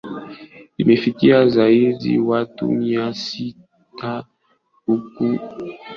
imefikia zaidi ya watu mia tisa huku kukiwa hakuna dalili za kutokomeza